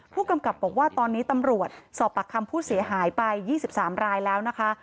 ผู้กำกับบอกว่าตอนนี้ตำรวจสอบปากคำผู้เสียหายไป๒๓รายแล้วนะคะ